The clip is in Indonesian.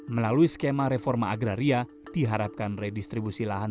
melalui skema reforma agraria diharapkan redistribusi lahan